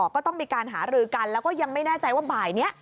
ก็ต้องมีการหารือกันแล้วก็ยังไม่แน่ใจว่าบ่ายนี้